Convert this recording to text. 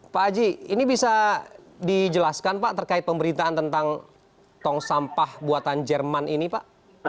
pak aji ini bisa dijelaskan pak terkait pemberitaan tentang tong sampah buatan jerman ini pak